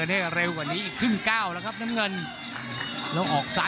โหโหโหโหโหโหโหโหโหโหโห